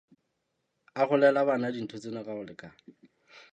Arolela bana dintho tsena ka ho lekana.